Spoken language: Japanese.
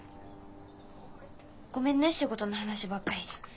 ごめんね仕事の話ばっかりで。